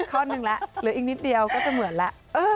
อีกข้อนึงละหรืออีกนิดเดียวก็จะเหมือนละ